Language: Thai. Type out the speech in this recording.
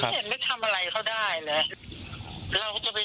และไม่เห็นเขาทำอะไรเขาได้เค้าก็ดูข่าวนะ